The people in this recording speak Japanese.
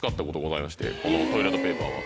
このトイレットペーパーは。